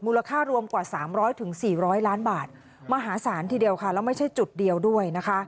ค่ารวมกว่า๓๐๐๔๐๐ล้านบาทมหาศาลทีเดียวค่ะแล้วไม่ใช่จุดเดียวด้วยนะคะ